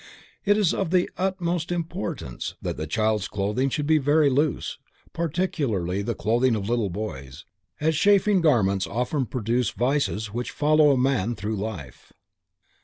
It is of the utmost importance that the child's clothing should be very loose, particularly the clothing of little boys, as chafing garments often produce vices which follow a man through life.